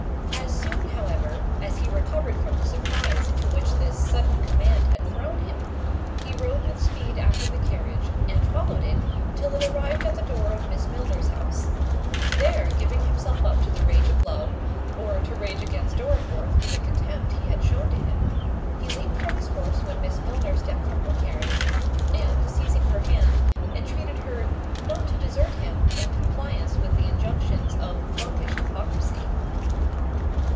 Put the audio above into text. As soon, however, as he recovered from the surprise into which this sudden command had thrown him, he rode with speed after the carriage, and followed it, till it arrived at the door of Miss Milner's house; there, giving himself up to the rage of love, or to rage against Dorriforth for the contempt he had shewn to him, he leaped from his horse when Miss Milner stepped from her carriage, and seizing her hand, entreated her "Not to desert him, in compliance with the injunctions of monkish hypocrisy."